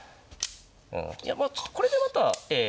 うんいやこれでまたええ。